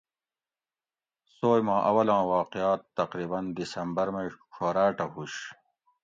سوئ ما اولاں واقعات تقریباً دسمبر مئ ڄھوراٹہ ہُوش